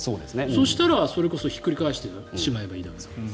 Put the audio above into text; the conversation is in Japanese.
そうしたらそれこそひっくり返してしまえばいいだけ。